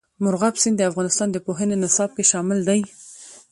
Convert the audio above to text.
مورغاب سیند د افغانستان د پوهنې نصاب کې شامل دی.